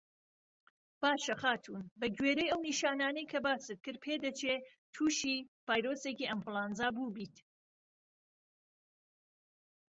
باشه خاتوون بە گوێرەی ئەو نیشانانەی کە باست کرد پێدەچێت تووشی ڤایرۆسێکی ئەنفلەوەنزا بووبیت